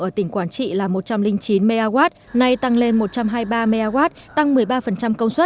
ở tỉnh quảng trị là một trăm linh chín mw nay tăng lên một trăm hai mươi ba mw tăng một mươi ba công suất